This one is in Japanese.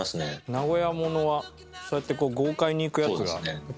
名古屋ものはそうやって豪快にいくやつが多いですね。